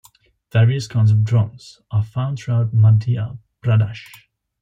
Various kinds of drums are found throughout Madhya Pradesh.